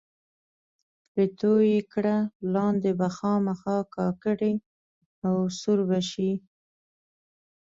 پرې توی یې کړه، لاندې به خامخا کا کړي او سوړ به شي.